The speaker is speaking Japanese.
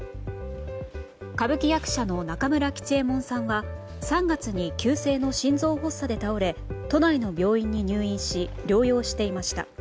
歌舞伎役者の中村吉右衛門さんは３月に、急性の心臓発作で倒れ都内の病院に入院し療養していました。